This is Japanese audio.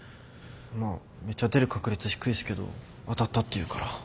まあめっちゃ出る確率低いっすけど当たったっていうから。